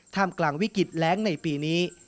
ท่ามกลางวิกฤตแล้งในปีนี้